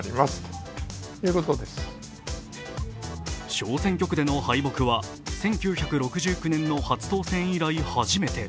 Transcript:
小選挙区での敗北は１９６９年の初当選以来初めて。